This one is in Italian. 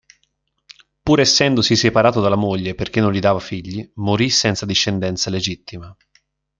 Pur essendosi separato dalla moglie perché non gli dava figli, morì senza discendenza legittima.